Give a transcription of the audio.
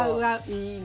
いいね。